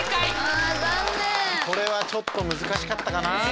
これはちょっと難しかったかな。